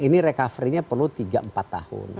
ini recovery nya perlu tiga empat tahun